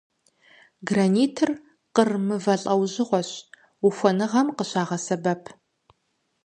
Гранитыр къыр мывэ лӏэужьыгъуэщ, ухуэныгъэм къыщагъэсэбэп.